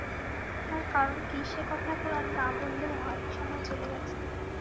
তার কারণ কী সে-কথা এখন আর না বললেও হয়, সময় চলে গেছে।